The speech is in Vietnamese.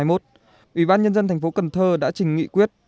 ủy ban nhân dân thành phố cần thơ đã trình nghị quyết